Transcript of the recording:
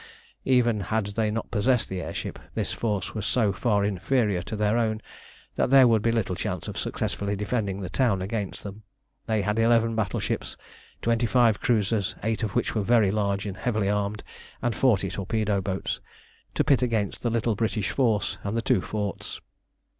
Even had they not possessed the air ship, this force was so far inferior to their own that there would be little chance of successfully defending the town against them. They had eleven battleships, twenty five cruisers, eight of which were very large and heavily armed, and forty torpedo boats, to pit against the little British force and the two forts.